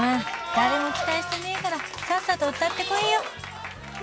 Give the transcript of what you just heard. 誰も期待してねえからさっさと歌ってこいよ